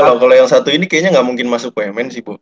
kalau yang satu ini kayaknya nggak mungkin masuk bumn sih bu